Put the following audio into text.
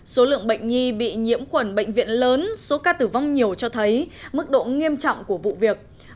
số lượng bệnh nhi bị nhiễm khuẩn bệnh viện lớn số ca tử vong nhiều cho thấy mức độ nghiêm trọng của vụ việc